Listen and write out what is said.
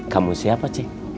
kamu siapa cek